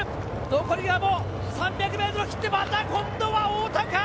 残り３００ｍ切って、また今度は太田か？